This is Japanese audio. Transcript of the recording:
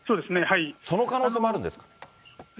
その可能性もあるんですか。